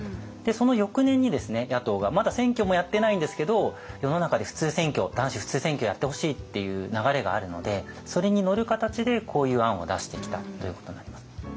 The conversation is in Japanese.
その翌年に野党がまだ選挙もやってないんですけど世の中で男子普通選挙やってほしいっていう流れがあるのでそれに乗る形でこういう案を出してきたということになります。